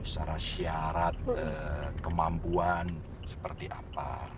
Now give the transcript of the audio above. secara syarat kemampuan seperti apa